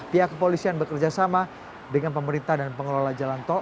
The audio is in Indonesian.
pihak kepolisian bekerjasama dengan pemerintah dan pengelola jalan tol